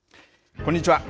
こんにちは。